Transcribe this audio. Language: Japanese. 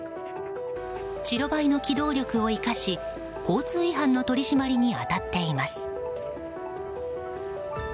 白バイの機動力を生かし交通違反の取り締まりに当たっています。